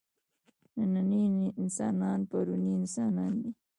نننی انسان پروني انسان دی.